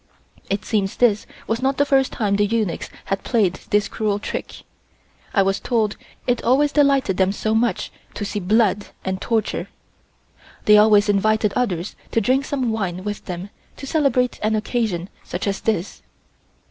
It seemed this was not the first time the eunuchs had played this cruel trick. I was told it always delighted them so much to see blood and torture. They always invited others to drink some wine with them to celebrate an occasion such as this.